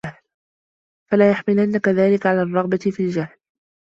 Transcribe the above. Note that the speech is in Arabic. فَلَا يَحْمِلَنَّكَ ذَلِكَ عَلَى الرَّغْبَةِ فِي الْجَهْلِ